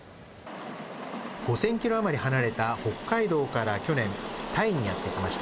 ５０００キロ余り離れた北海道から去年、タイにやって来ました。